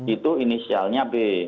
itu inisialnya b